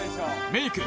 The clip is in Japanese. メイク